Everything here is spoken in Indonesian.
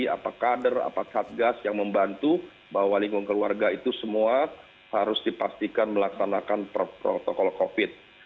apa kader apa satgas yang membantu bahwa lingkungan keluarga itu semua harus dipastikan melaksanakan protokol covid